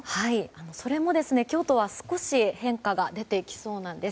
それも今日とは少し変化が出てきそうです。